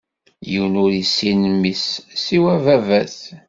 Yiwen ur issin Mmi-s, siwa Ababat.